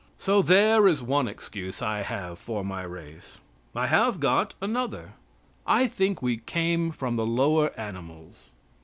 So there is one excuse I have for my race. I have got another. I think we came from the lower animals.